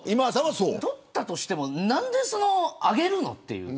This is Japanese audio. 撮ったとしても何であげるのって。